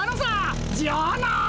じゃあな！